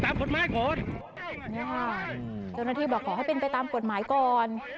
น่าวะแกบอกก็ไปตามกฎหมายก่อน